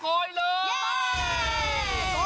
โกยเลยค่ะ